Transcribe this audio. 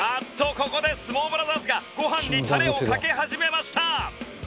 ここで相撲ブラザーズがご飯にタレをかけ始めました！